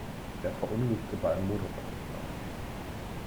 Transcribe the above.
Er verunglückte bei einem Motorradunfall.